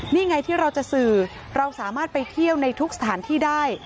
นี่ไงที่เราจะสื่อเราสามารถไปเที่ยวในทุกสถานที่ได้